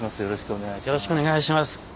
よろしくお願いします。